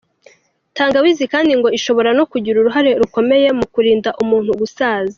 Tangawizi kandi ngo ishobora no kugira uruhare rukomeye mu kurinda umuntu gusaza.